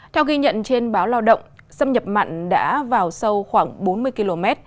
theo ghi nhận trên báo lao động xâm nhập mặn đã vào sâu khoảng bốn mươi km